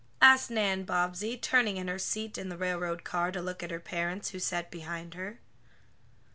asked Nan Bobbsey, turning in her seat in the railroad car, to look at her parents, who sat behind her.